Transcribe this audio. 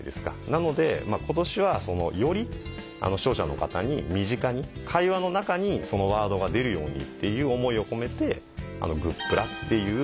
なので今年はより視聴者の方に身近に会話の中にそのワードが出るようにっていう思いを込めて「グップラ」っていう。